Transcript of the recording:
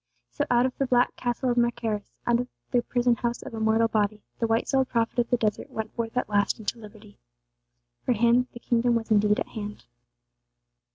So, out of the Black Castle of Macherus, out of the prison house of a mortal body, the white souled prophet of the wilderness went forth at last into liberty. For him, the kingdom was indeed at hand.